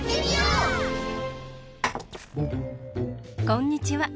こんにちは！